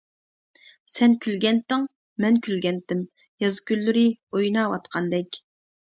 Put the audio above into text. سەن كۈلگەنتىڭ، مەن كۈلگەنتىم، ياز كۈنلىرى ئويناۋاتقاندەك.